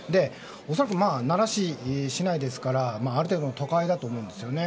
恐らく、奈良市内ですからある程度の都会だと思うんですね。